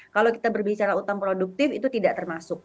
kalau kita berbicara utang produktif itu tidak termasuk